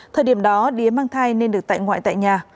thời điểm đó đía mang thai nên được tại ngoại tại nhà